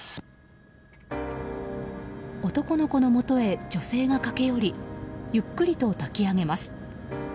男の子のもとへ女性が駆け寄りゆっくりと抱き上げます。